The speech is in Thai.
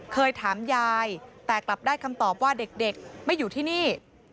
เคยถามยายแต่กลับได้คำตอบว่าเด็กไม่อยู่ที่นี่